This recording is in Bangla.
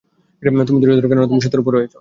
তুমি ধৈর্য ধর, কেননা তুমি সত্যের উপর রয়েছ।